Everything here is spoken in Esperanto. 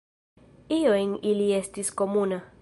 Io en ili estis komuna.